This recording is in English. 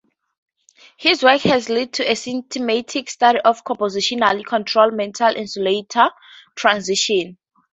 His work has led to a systematic study of compositionally controlled metal-insulator transitions.